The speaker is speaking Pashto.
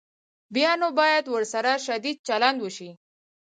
بیا نو باید ورسره شدید چلند وشي.